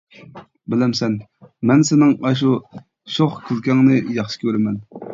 بىلەمسەن، مەن سېنىڭ ئاشۇ شوخ كۈلكەڭنى ياخشى كۆرىمەن.